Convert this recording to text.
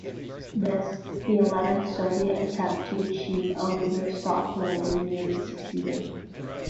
This, the eleventh Soviet attempt to achieve a lunar soft landing, nearly succeeded.